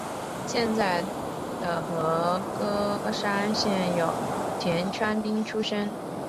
现在的和歌山县有田川町出身。